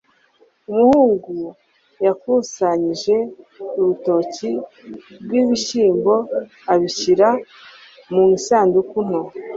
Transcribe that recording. umuhungu yakusanyije urutoki rwibishyimbo abishyira mu isanduku nto